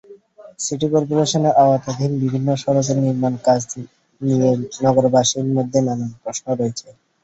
City করপোরেশনের আওতাধীন বিভিন্ন সড়কের নির্মাণকাজ নিয়ে নগরবাসীর মধ্যে নানা প্রশ্ন রয়েছে।